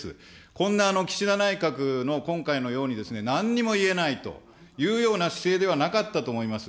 こんな岸田内閣の今回のように、何にも言えないというような姿勢ではなかったと思います。